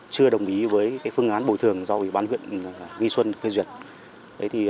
chưa đồng ý với phương án bồi thường do ủy ban huyện nghi xuân phê duyệt